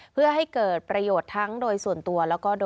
เพื่อให้เกิดประโยชน์ทั้งโดยส่วนตัว